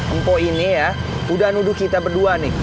empok ini ya udah duduk kita berdua nih